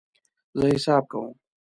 زه حساب کوم